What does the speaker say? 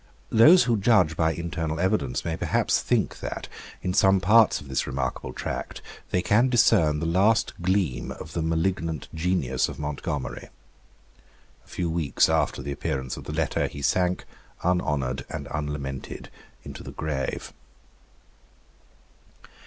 Those who judge by internal evidence may perhaps think that, in some parts of this remarkable tract, they can discern the last gleam of the malignant genius of Montgomery. A few weeks after the appearance of the Letter he sank, unhonoured and unlamented, into the grave.